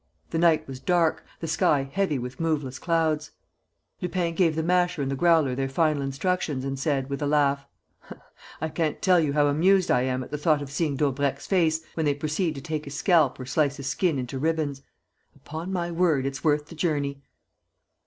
The night was dark, the sky heavy with moveless clouds. Lupin gave the Masher and the Growler their final instructions and said, with a laugh: "I can't tell you how amused I am at the thought of seeing Daubrecq's face when they proceed to take his scalp or slice his skin into ribbons. Upon my word, it's worth the journey."